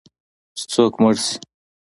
چې څوک مړ شي